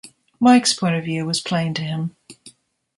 Mike's point of view was plain to him.